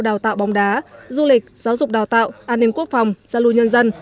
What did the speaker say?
đào tạo bóng đá du lịch giáo dục đào tạo an ninh quốc phòng giao lưu nhân dân